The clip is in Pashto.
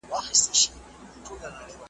خان په لور پسي کوله خیراتونه .